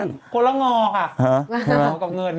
เหงากับเงิน